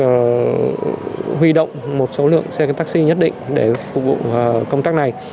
thì việc huy động một số lượng xe taxi nhất định để phục vụ công tác này